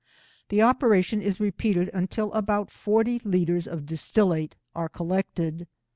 The operation is repeated until about forty litres of distillate are collected.